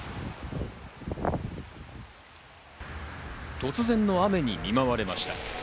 突然の雨に見舞われました。